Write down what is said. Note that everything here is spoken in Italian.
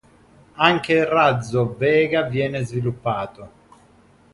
Anche il razzo Vega viene sviluppato.